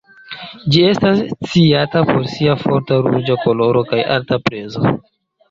Ĝi estas sciata por sia forta ruĝa koloro kaj alta prezo.